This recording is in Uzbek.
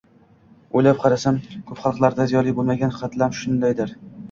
O‘ylab qarasam ko‘p xalqlarda ziyoli bo‘lmagan qatlam shundaydur.